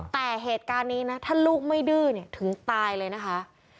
แต่เหตุการณ์นี้นะถ้าลูกไม่ดื้อเนี่ยถึงตายเลยนะคะ